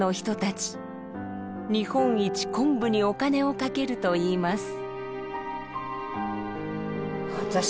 日本一昆布にお金をかけるといいます。